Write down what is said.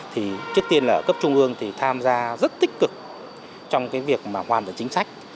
thì trước tiên là cấp trung ương thì tham gia rất tích cực trong việc hoàn thành chính sách